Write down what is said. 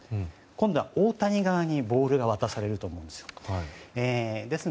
今度は大谷側にボールが渡されると思うんです。